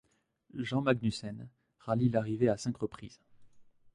Jan Magnussen rallie l'arrivée à cinq reprises.